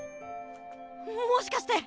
もしかして。